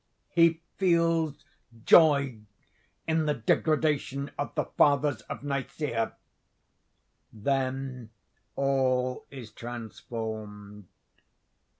He feels joy in the degradation of the Fathers of Nicæa. Then all is transformed.